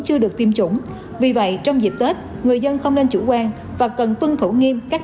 chưa được tiêm chủng vì vậy trong dịp tết người dân không nên chủ quan và cần tuân thủ nghiêm các